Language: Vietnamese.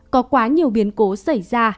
có quá nhiều biến cố xảy ra